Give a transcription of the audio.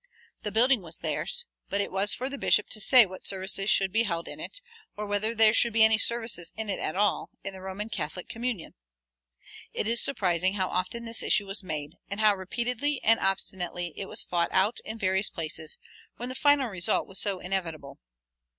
The building was theirs; but it was for the bishop to say what services should be held in it, or whether there should be any services in it at all, in the Roman Catholic communion. It is surprising how often this issue was made, and how repeatedly and obstinately it was fought out in various places, when the final result was so inevitable.